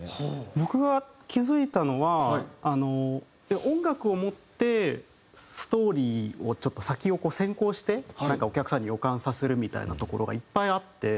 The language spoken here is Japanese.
僕が気付いたのは音楽をもってストーリーをちょっと先を先行してなんかお客さんに予感させるみたいなところがいっぱいあって。